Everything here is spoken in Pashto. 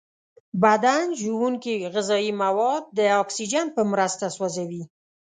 بدن ژونکې غذایي مواد د اکسیجن په مرسته سوځوي.